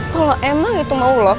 kalau emang itu mau loh